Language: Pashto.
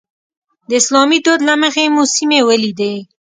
د اسلامي دود له مخې مو سیمې ولیدې.